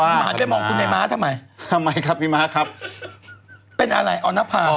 หันไปมองคุณไอ้ม้าทำไมทำไมครับพี่ม้าครับเป็นอะไรออนภาว